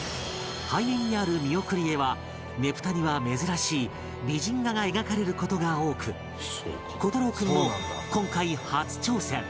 背面にある見送り絵はねぷたには珍しい美人画が描かれる事が多く虎太朗君も今回初挑戦